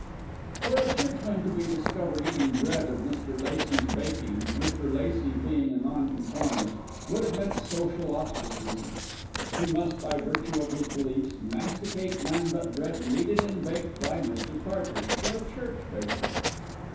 For a churchman to be discovered eating bread of Mr. Lacey's baking, Mr. Lacey being a nonconformist, would have meant social ostracism. He must, by virtue of his beliefs, masticate none but bread kneaded and baked by Mr. Carter, the church baker.